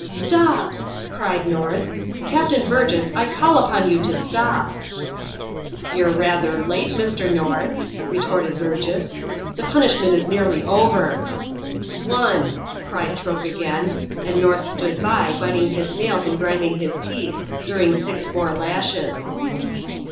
"Stop!" cried North. "Captain Burgess, I call upon you to stop." "You're rather late, Mr. North," retorted Burgess. "The punishment is nearly over." "Wonn!" cried Troke again; and North stood by, biting his nails and grinding his teeth, during six more lashes.